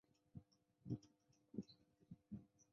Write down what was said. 它的内容大致可以用以下的表格详列。